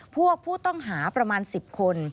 ผู้ต้องหาประมาณ๑๐คน